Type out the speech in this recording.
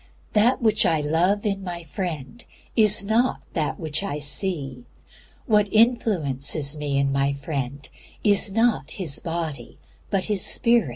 That which I love in my friend is not that which I see. What influences me in my friend is not his body but his spirit.